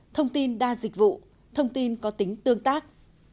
thông tin đa dịch vụ thông tin có tính tương tác